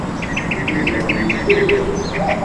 Yuba yeggugem.